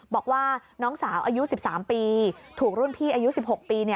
บอกว่าน้องสาวอายุ๑๓ปีถูกรุ่นพี่อายุ๑๖ปี